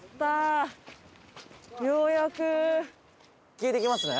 聞いてきますね。